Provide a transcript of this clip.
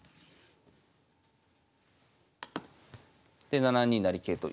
で７二成桂と。